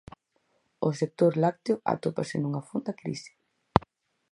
O sector lácteo atópase nunha fonda crise.